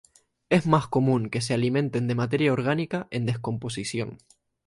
Es más común que se alimenten de materia orgánica en descomposición.